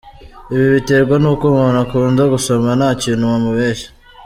Ibi biterwa n’uko, umuntu ukunda gusoma nta kintu wamubeshya.